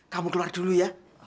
kamu keluar dulu ya